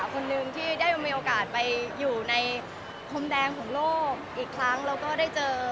คนหนึ่งที่ได้มีโอกาสไปอยู่ในพรมแดงของโลกอีกครั้งแล้วก็ได้เจอ